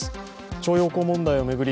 徴用工問題を巡り